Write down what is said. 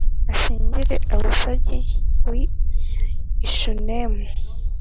anshyingire Abisagi w’i Shunemu.”